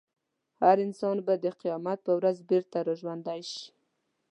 هر انسان به د قیامت په ورځ بېرته راژوندی شي.